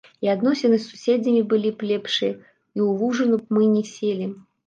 І адносіны з суседзямі былі б лепшыя, і ў лужыну б мы не селі.